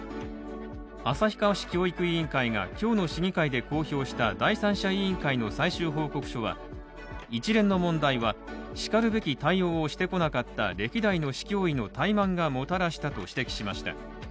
旭川市教育委員会が今日の市議会で公表した第三者委員会の最終報告書は、一連の問題はしかるべき対応をしてこなかった歴代の市教委の怠慢がもたらしたと指摘しました。